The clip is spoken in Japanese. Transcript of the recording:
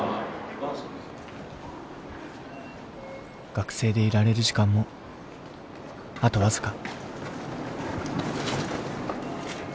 学生でいられる時間もあと僅か。